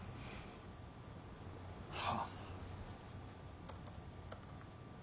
はあ。